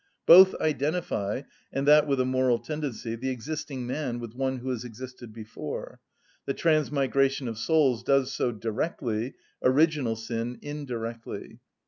Both identify, and that with a moral tendency, the existing man with one who has existed before; the transmigration of souls does so directly, original sin indirectly.